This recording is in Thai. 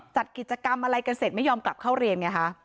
จัดกิจกรรมอะไรกันเสร็จไม่ยอมกลับเข้าเรียนไงคะ